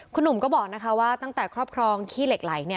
คุณหนุ่มก็บอกนะคะว่าตั้งแต่ครอบครองขี้เหล็กไหล